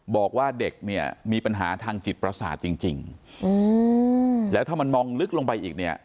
บอกว่าเด็กเนี่ยมีปัญหาทางจิตประสาทจริงจริงแล้วถ้ามันมองลึกลงไปอีกเนี่ย